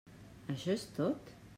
Això és tot?